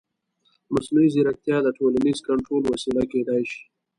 مصنوعي ځیرکتیا د ټولنیز کنټرول وسیله کېدای شي.